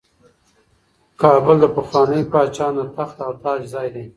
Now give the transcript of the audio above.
کابل د پخوانیو پاچاهانو د تخت او تاج ځای و.